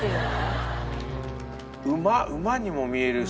馬馬にも見えるし。